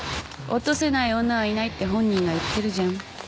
落とせない女はいないって本人が言ってるじゃん。